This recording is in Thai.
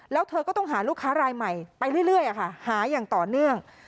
แล้วเธอก็ต้องหารูขาลายใหม่ไปเรื่อยเรื่อยอะค่ะหาอย่างต่อเนื่อง